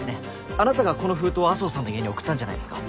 あなたがこの封筒を麻生さんの家に送ったんじゃないですか？